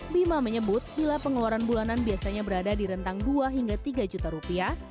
bima menyebut bila pengeluaran bulanan biasanya berada di rentang dua hingga tiga juta rupiah